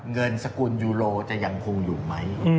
เงินสกุลยูโรจะยังคงอยู่ไหม